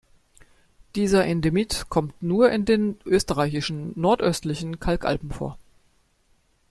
Dieser Endemit kommt nur in den österreichischen nordöstlichen Kalkalpen vor.